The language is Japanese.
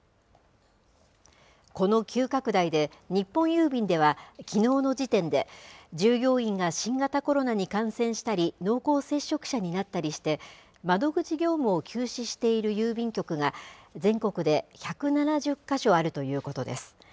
この急拡大で、日本郵便では、きのうの時点で、従業員が新型コロナに感染したり、濃厚接触者になったりして、窓口業務を休止している郵便局が、全国で１７０か所あるということです。